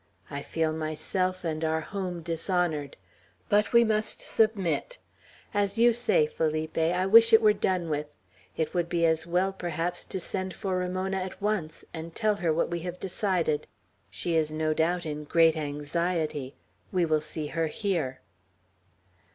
I feel myself and our home dishonored. But we must submit. As you say, Felipe, I wish it were done with. It would be as well, perhaps, to send for Ramona at once, and tell her what we have decided. She is no doubt in great anxiety; we will see her here."